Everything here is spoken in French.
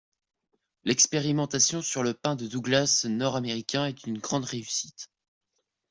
L’expérimentation sur le Pin de Douglas Nord-Américain est une grande réussite.